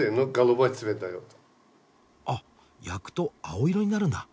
あっ焼くと青色になるんだ。